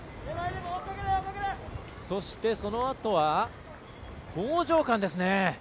そして、そのあとは興譲館ですね。